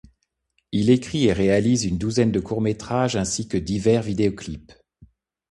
Il écrit et réalise une douzaine de courts métrages ainsi que divers vidéoclips.